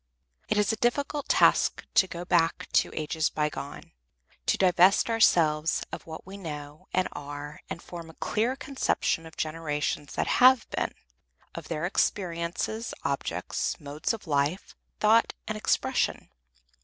It is a difficult task to go back to ages by gone, to divest ourselves of what we know and are and form a clear conception of generations that have been, of their experiences, objects, modes of life, thought and expression.